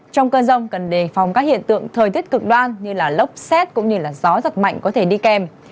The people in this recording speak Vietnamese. trong cơn rông cần đề phòng các hiện tượng thời tiết cực đoan như lốc xét cũng như gió giật mạnh có thể đi kèm